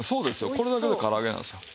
これだけでから揚げなんですよ。